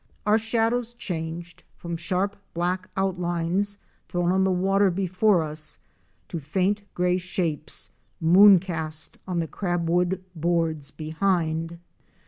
Our shadows changed from sharp black outlines thrown on the water before us to faint gray shapes, moon cast on the crab wood boards behind.